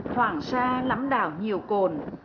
hoàng sa lắm đảo nhiều cồn